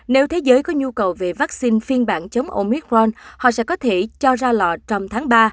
nếu thế giới có nhu cầu về vắc xin phiên bản chống omicron họ sẽ có thể cho ra lọ trong tháng ba